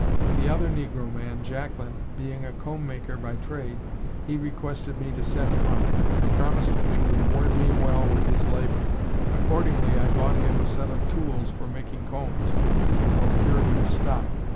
The other negro man, Jacklin, being a comb maker by trade, he requested me to set him up, and promised to reward me well with his labor. Accordingly I bought him a set of tools for making combs, and procured him stock.